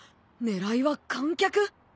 狙いは観客！？